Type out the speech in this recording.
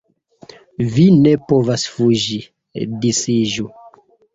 Vi ne povas fuĝi, sidiĝu